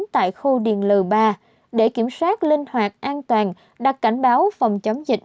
tại khu điền l ba để kiểm soát linh hoạt an toàn đặt cảnh báo phòng chống dịch